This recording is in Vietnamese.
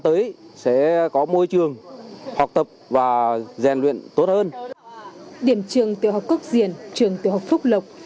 tới sẽ có môi trường học tập và rèn luyện tốt hơn điểm trường tiểu học cốc diển trường tiểu học phúc lộc